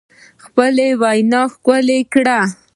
خپله وینا ښکلې کړئ